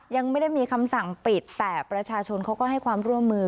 ยังไม่ได้มีคำสั่งปิดแต่ประชาชนเขาก็ให้ความร่วมมือ